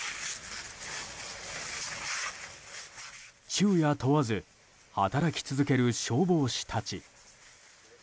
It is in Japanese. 昼夜問わず、働き続ける消防士たち。